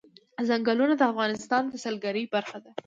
ځنګلونه د افغانستان د سیلګرۍ برخه ده.